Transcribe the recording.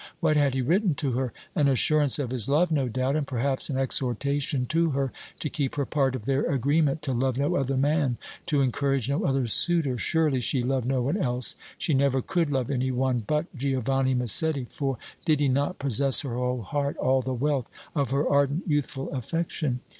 What had he written to her? An assurance of his love, no doubt, and, perhaps, an exhortation to her to keep her part of their agreement to love no other man, to encourage no other suitor! Surely she loved no one else she never could love any one but Giovanni Massetti, for did he not possess her whole heart, all the wealth of her ardent youthful affection?